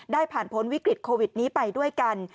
ผ่านพ้นวิกฤตโควิดนี้ไปด้วยกัน